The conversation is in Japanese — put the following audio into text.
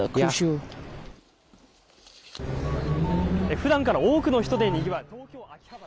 ふだんから多くの人でにぎわう東京・秋葉原。